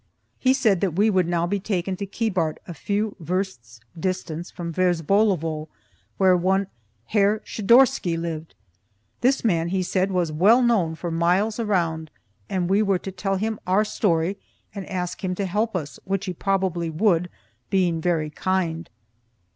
He said that we would now be taken to Keebart, a few versts' distance from Verzbolovo, where one Herr Schidorsky lived. This man, he said, was well known for miles around, and we were to tell him our story and ask him to help us, which he probably would, being very kind.